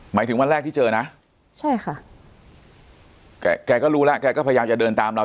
หมายถึงวันแรกที่เจอนะใช่ค่ะแกก็รู้แล้วแกก็พยายามจะเดินตามเรา